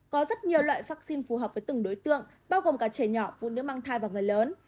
có rất nhiều loại vaccine phù hợp với từng đối tượng bao gồm cả trẻ nhỏ phụ nữ mang thai và người lớn